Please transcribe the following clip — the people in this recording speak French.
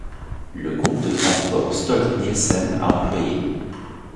Le groupe de Transport Stolt-Nielsen a employés.